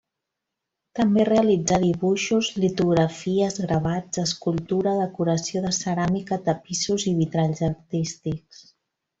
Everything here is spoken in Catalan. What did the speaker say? També realitzà dibuixos, litografies, gravats, escultura, decoració de ceràmica, tapissos i vitralls artístics.